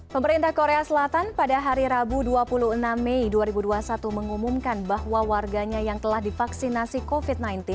pemerintah korea selatan pada hari rabu dua puluh enam mei dua ribu dua puluh satu mengumumkan bahwa warganya yang telah divaksinasi covid sembilan belas